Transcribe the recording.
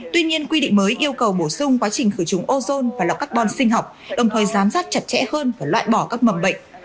tuy nhiên quy định mới yêu cầu bổ sung quá trình khử trùng ozone và lọc carbon sinh học đồng thời giám sát chặt chẽ hơn và loại bỏ các mầm bệnh